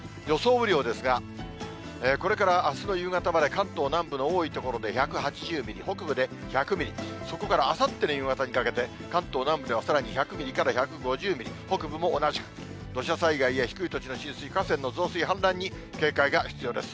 雨量ですが、これからあすの夕方まで関東南部の多い所で１８０ミリ、北部で１００ミリ、そこからあさっての夕方にかけて、関東南部ではさらに１００ミリから１５０ミリ、北部も同じく、土砂災害や低い土地の浸水、河川の増水、氾濫に警戒が必要です。